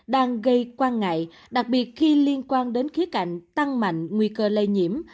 đang gây quan ngại đặc biệt khi liên quan đến khía cạnh tăng mạnh nguy cơ lây nhiễm